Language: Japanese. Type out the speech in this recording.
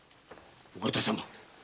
お方様。